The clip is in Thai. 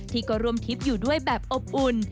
ที่ก็ร่วมทริปอยู่ด้วยแบบอบอุ่น